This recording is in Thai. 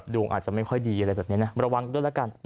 ดวงอาจจะไม่ค่อยดีอะไรแบบนี้นะ